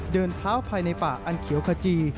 เดินเท้าภายในป่าอันเขียวขจี